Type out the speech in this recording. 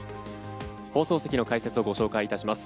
放送席の解説をご紹介いたします。